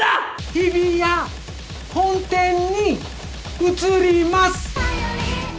日比谷本店に移ります